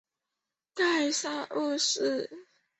盖萨二世。